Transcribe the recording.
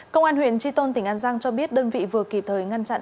công an huyện tri tôn tỉnh an giang cho biết đơn vị vừa kịp thời ngăn chặn